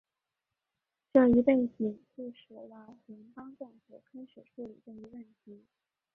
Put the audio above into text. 这一背景促使了联邦政府开始处理这一问题。